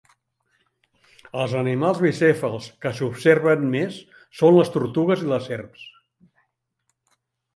Els animals bicèfals que s'observen més són les tortugues i les serps.